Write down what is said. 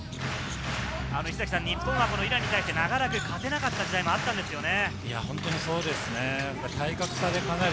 日本はイランに対して長らく勝てなかった時代もあったんですよね。